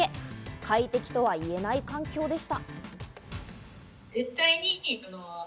快適とはいえない環境でした。